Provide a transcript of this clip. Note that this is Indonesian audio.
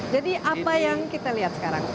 jadi apa yang kita lihat sekarang